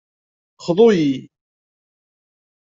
Xḍu-yi!